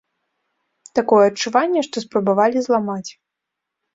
Такое адчуванне, што спрабавалі зламаць.